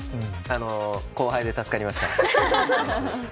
後輩で助かりました。